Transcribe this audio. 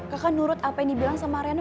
kakak nurut apa yang dibilang sama reno